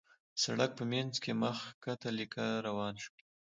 د سړک په مينځ کې مخ کښته ليکه روان شول.